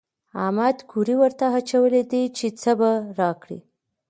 احمد کوری ورته اچولی دی چې څه به راکړي.